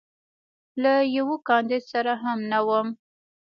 له یوه کاندید سره هم نه وم.